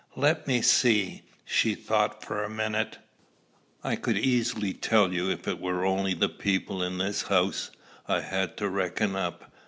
"Let me see." She thought for a minute. "I could easily tell you if it were only the people in this house I had to reckon up.